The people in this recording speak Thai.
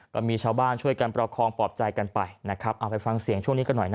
ก็มีชาวบ้านช่วยกันประคองปลอบใจกันไปนะครับเอาไปฟังเสียงช่วงนี้กันหน่อยนะ